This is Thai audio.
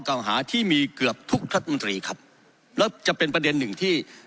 เก่าหาที่มีเกือบทุกรัฐมนตรีครับแล้วจะเป็นประเด็นหนึ่งที่